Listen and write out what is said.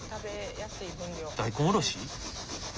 大根おろし？